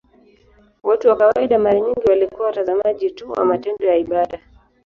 Watu wa kawaida mara nyingi walikuwa watazamaji tu wa matendo ya ibada.